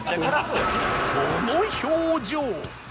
この表情！